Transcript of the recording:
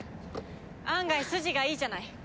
案外筋がいいじゃない。